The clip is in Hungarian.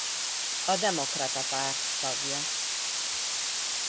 A demokrata párt tagja.